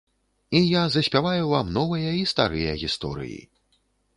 І я заспяваю вам новыя і старыя гісторыі.